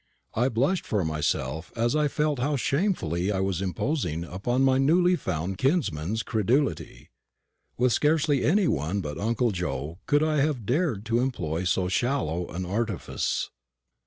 I blushed for myself as I felt how shamefully I was imposing upon my newly found kinsman's credulity. With scarcely any one but uncle Joe could I have dared to employ so shallow an artifice.